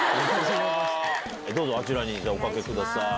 どうぞあちらにお掛けください。